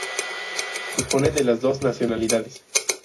Dispone de las dos nacionalidades.